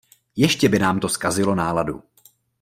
Ještě by nám to zkazilo náladu.